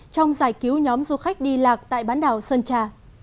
trong giải cứu nhóm du khách đi lạc tại bán đảo sơn trà